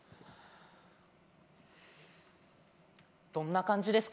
どんな感じですか？